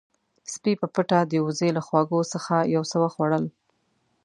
سپی په پټه د وزې له خواږو څخه یو څه وخوړل.